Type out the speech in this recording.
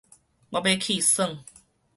我欲去玩